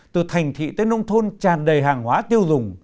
từ thành thị tới nông thôn tràn đầy hàng hóa tiêu dùng